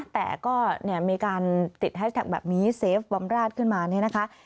แต่ก็มีการติดแฮชแท็กแบบนี้เซฟบำราชขึ้นมาเนี่ยนะคะ